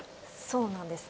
そうなんです